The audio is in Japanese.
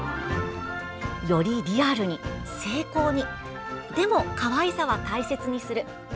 よりリアルに精巧にでも、かわいさは大切にする。